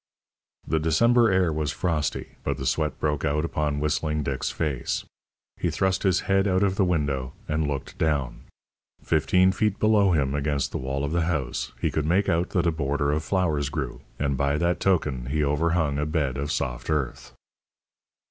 The December air was frosty, but the sweat broke out upon Whistling Dick's face. He thrust his head out of the window, and looked down. Fifteen feet below him, against the wall of the house, he could make out that a border of flowers grew, and by that token he overhung a bed of soft earth.